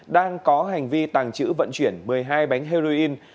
đang có hành vi tàng trữ vận chuyển một mươi hai bánh heroin